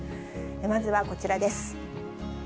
まずはこちらです。